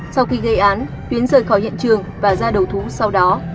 sau khi gây án tuyến rời khỏi hiện trường và ra đầu thú sau đó